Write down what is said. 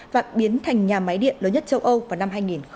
và biến thành nhà máy điện lớn nhất châu âu vào năm hai nghìn hai mươi